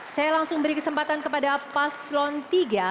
saya langsung beri kesempatan kepada pak slon iii